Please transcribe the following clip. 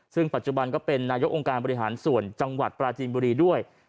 ซึ่งปัจจุบันก็เป็นนายกองค์การบริหารส่วนจังหวัดปราจีนบุรีด้วย